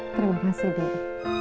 terima kasih dedy